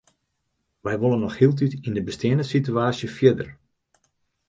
Wy wolle noch hieltyd yn de besteande sitewaasje fierder.